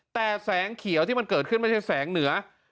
แต่แสงเขียวที่มันเกิดขึ้นไม่ใช่แสงเหนือ